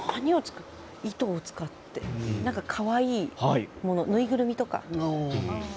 糸を使って、なんかかわいいもの縫いぐるみとか？